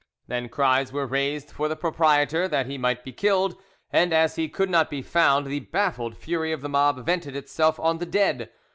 Then cries were raised for the proprietor, that he might be killed, and as he could not be found the baffled fury of the mob vented itself on the dead.